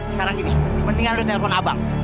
sekarang gini mendingan lu telepon abang